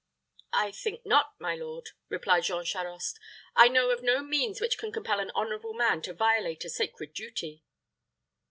"I think not, my lord," replied Jean Charost; "I know of no means which can compel an honorable man to violate a sacred duty."